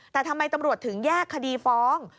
แต่ทำไมตำรวจถึงแยกคดีฟ้อง